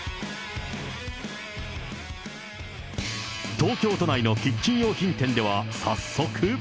東京都内のキッチン用品店では、早速。